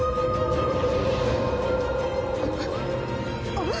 あっ。